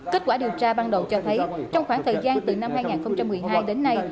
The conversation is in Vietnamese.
kết quả điều tra ban đầu cho thấy trong khoảng thời gian từ năm hai nghìn một mươi hai đến nay